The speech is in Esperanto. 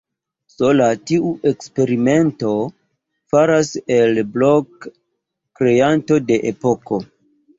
Sola tiu eksperimento faras el Blok kreanton de epoko.